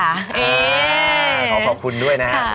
ห๊าขอบคุณด้วยนะครับ